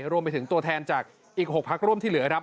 รวมไปถึงตัวแทนจากอีก๖พักร่วมที่เหลือครับ